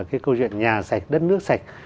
cái câu chuyện nhà sạch đất nước sạch